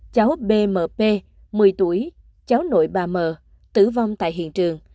cháu bmp một mươi tuổi cháu nội bà mờ tử vong tại hiện trường